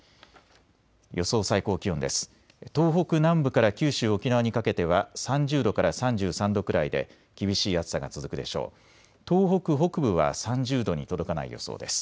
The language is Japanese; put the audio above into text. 予想最高気温です。